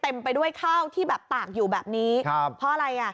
ไปด้วยข้าวที่แบบตากอยู่แบบนี้ครับเพราะอะไรอ่ะ